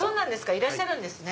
いらっしゃるんですね。